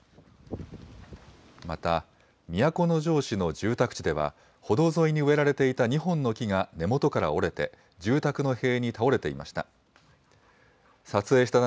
また、都城市の住宅地では、歩道沿いに植えられていた２本の木が根元から折れて住宅の塀に倒れていました。